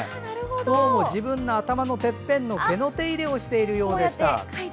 どうも自分の頭、てっぺんの毛の手入れをしているようでした。